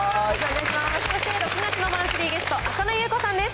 そして、６月のマンスリーゲスト、浅野ゆう子さんです。